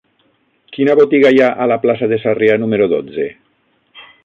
Quina botiga hi ha a la plaça de Sarrià número dotze?